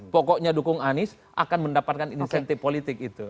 pokoknya dukung anies akan mendapatkan insentif politik itu